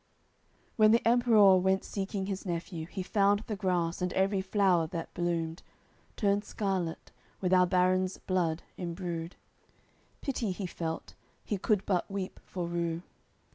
CCV When the Emperour went seeking his nephew, He found the grass, and every flower that bloomed, Turned scarlat, with our barons' blood imbrued; Pity he felt, he could but weep for rue.